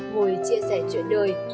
ngồi chia sẻ chuyện đời